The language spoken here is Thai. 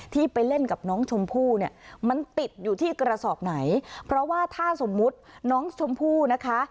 ที่ไปเล่นกับน้องชมพู่เนี่ยมันติดอยู่ที่กระสอบไหนเพราะว่าถ้าสมมุติน้องชมพู่นะคะ